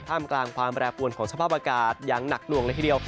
มกลางความแปรปวนของสภาพอากาศอย่างหนักหน่วงเลยทีเดียว